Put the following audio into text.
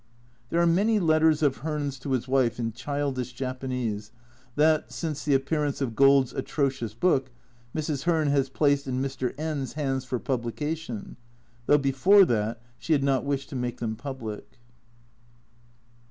There are many letters of Hearn's to his wife in childish Japanese, that, since the appearance of Gould's atrocious book, Mrs. Hearn has placed in Mr. N 's hands for publication, though before that she had not wished to make them public.